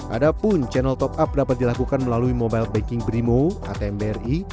adapun channel top up dapat dilakukan melalui mobile banking brimo atm bri